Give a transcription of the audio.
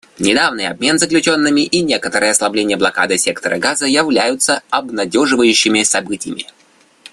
Недавний обмен заключенными и некоторое ослабление блокады сектора Газа являются обнадеживающими событиями.